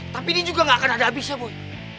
tapi ini juga gak akan ada habisnya bu